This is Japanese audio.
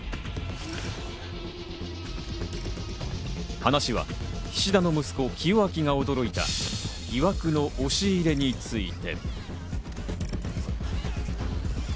話は菱田の息子・清明が驚いた疑惑の押入れについて。